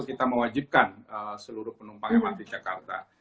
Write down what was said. kita mewajibkan seluruh penumpang mrt jakarta